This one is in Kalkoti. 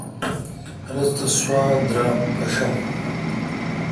رس تہ سوا درام پݭہ۔